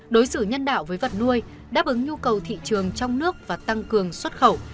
đối xử nhân đạo với vật nuôi đáp ứng nhu cầu thị trường trong nước và tăng cường xuất khẩu